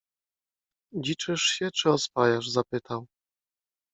Dziczysz się czy oswajasz? — zapytał.